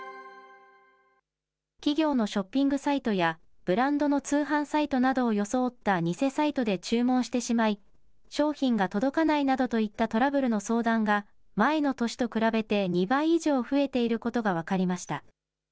企業のショッピングサイトや、ブランドの通販サイトなどを装った偽サイトで注文してしまい、商品が届かないなどといったトラブルの相談が、前の年と比べて２倍以上増えていることが分かりました。